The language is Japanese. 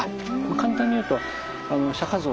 簡単に言うと釈像。